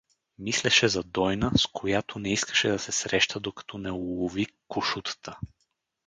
Мислеше за Дойна, с която не искаше да се среща, докато не улови кошутата.